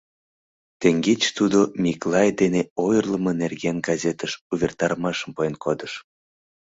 Теҥгече тудо Миклай дене ойырлымо нерген газетыш увертарымашым пуэн кодыш.